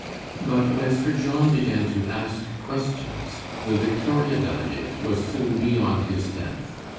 But when Sir John began to ask questions, the Victoria delegate was soon beyond his depth.